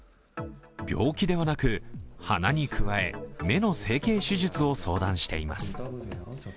病気ではなく、鼻に加え目の整形手術を相談しています。